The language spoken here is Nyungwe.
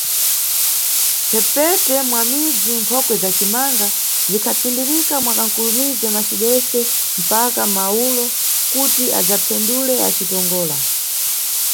Mphepete mwa midzi nkhokwe za cimanga zingatsindirika mwa ka mkulumize macibese mpaka mawulo kuti adzafendule acitongola.